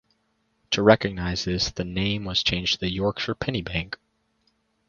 To recognise this the name was changed to the "Yorkshire Penny Bank".